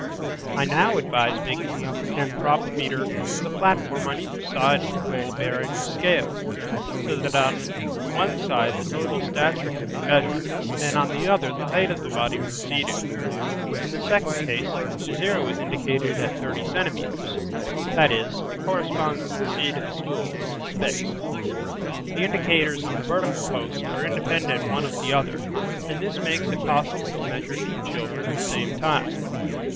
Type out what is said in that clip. I now advise making the anthropometer with a platform on either side of the pole bearing the scale, so that on one side the total stature can be measured, and on the other the height of the body when seated. In the second case, the zero is indicated at 30 centimetres; that is, it corresponds to the seat of the stool, which is fixed. The indicators on the vertical post are independent one of the other and this makes it possible to measure two children at the same time.